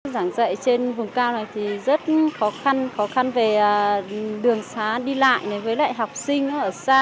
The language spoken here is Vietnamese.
giảng dạy trên vùng cao này thì rất khó khăn khó khăn về đường xá đi lại với lại học sinh ở xa